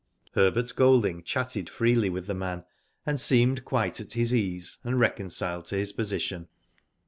Herbert Golding chatted freely with the man, and seemed quite at his ease and reconciled to his position.